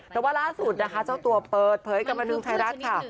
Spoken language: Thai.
แต่ว่าล่าสุดนะคะเจ้าตัวเปิดเผยกับบันทึงไทยรัฐค่ะ